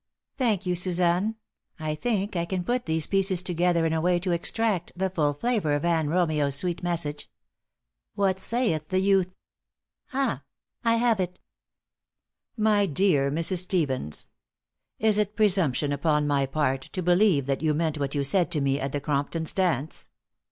Thank you, Suzanne. I think I can put these pieces together in a way to extract the full flavor of Van Romeo's sweet message. What saith the youth? Ha! I have it. "'MY DEAR MRS. STEVENS: Is it presumption upon my part to believe that you meant what you said to me at the Cromptons' dance?